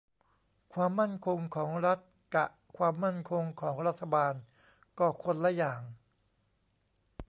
ความมั่นคงของรัฐ กะ ความมั่นคงของรัฐบาล ก็คนละอย่าง